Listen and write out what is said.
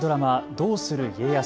どうする家康。